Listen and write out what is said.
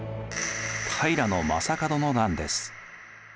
平将門の乱です。